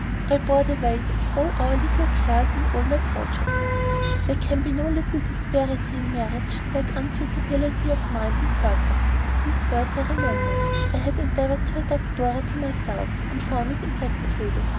I bore the weight of all our little cares and all my projects. "There can be no disparity in marriage like unsuitability of mind and purpose." These words I remembered. I had endeavored to adapt Dora to myself, and found it impracticable.